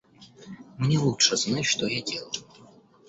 Мне лучше знать что я делаю.